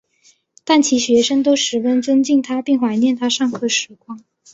但其学生都十分尊敬他并怀念他上课时光。